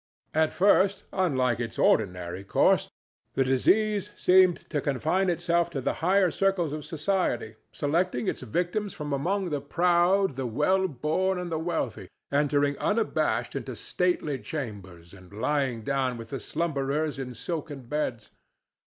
At first, unlike its ordinary course, the disease seemed to confine itself to the higher circles of society, selecting its victims from among the proud, the well born and the wealthy, entering unabashed into stately chambers and lying down with the slumberers in silken beds.